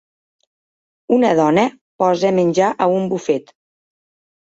Una dona posa menjar a un bufet.